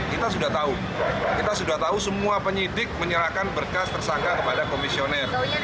kita sudah tahu kita sudah tahu semua penyidik menyerahkan berkas tersangka kepada komisioner